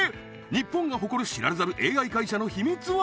日本が誇る知られざるＡＩ会社の秘密は？